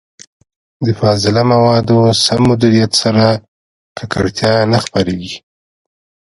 د فاضله موادو سم مديريت سره، ککړتيا نه خپرېږي.